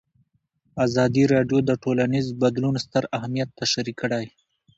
ازادي راډیو د ټولنیز بدلون ستر اهميت تشریح کړی.